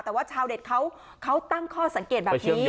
แต่ว่าชาวเน็ตเขาตั้งข้อสังเกตแบบนี้